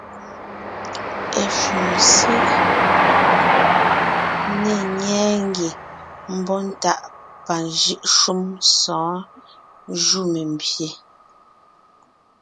Eshúm ség ne ńnyɛɛ ngie mbɔ́ntáʼ pajʉ́ʼ shúm zɔ̌ jú membyè.